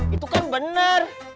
itu kan bener